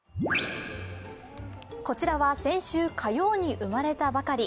こちらは先週火曜日に生まれたばかり。